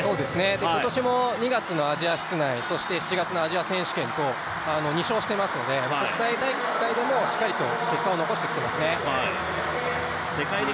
今年も、２月のアジア室内そして７月のアジア選手権と２勝していますので国際大会でもしっかりと結果を残してきていますね。